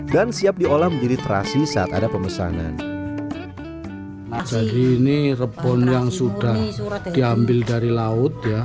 dan siap diolah menjadi terasi saat ada pemesanan jadi ini rebun yang sudah diambil dari laut ya